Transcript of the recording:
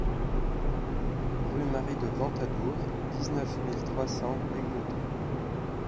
Rue Marie de Ventadour, dix-neuf mille trois cents Égletons